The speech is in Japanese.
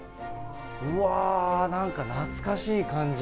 うわー、なんか懐かしい感じ。